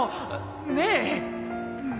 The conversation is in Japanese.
ねえ？